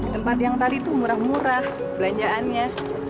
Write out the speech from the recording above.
tempat yang tadi itu murah murah belanjaannya